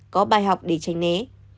có bài học để tránh né